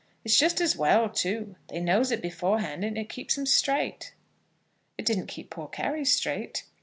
It's just as well, too. They knows it beforehand, and it keeps 'em straight." "It didn't keep poor Carry straight."